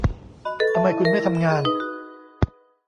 ทำไมคุณไม่ทำงาน